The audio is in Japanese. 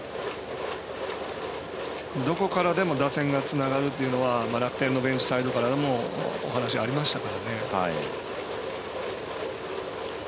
どこからでも点がつながるというのは楽天のベンチサイドからもお話がありましたからね。